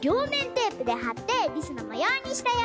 テープではってリスのもようにしたよ！